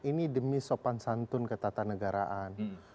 ini demi sopan santun ketatanegaraan